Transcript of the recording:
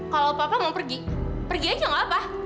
kalau papa mau pergi pergi aja nggak apa apa